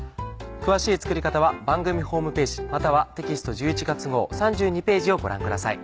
詳しい作り方は番組ホームページまたはテキスト１１月号３２ページをご覧ください。